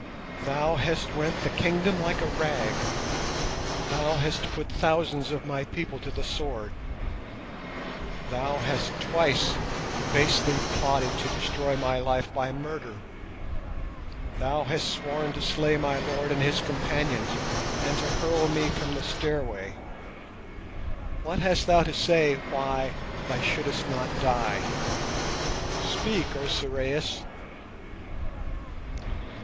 "Thou hast rent the kingdom like a rag, thou hast put thousands of my people to the sword, thou hast twice basely plotted to destroy my life by murder, thou hast sworn to slay my lord and his companions and to hurl me from the Stairway. What hast thou to say why thou shouldst not die? Speak, O Sorais!"